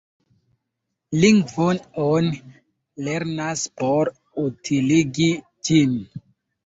Lingvon oni lernas por utiligi ĝin.